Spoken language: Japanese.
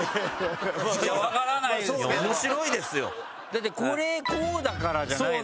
だってこれこうだからじゃないの？